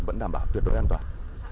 vẫn đảm bảo tuyệt đối an toàn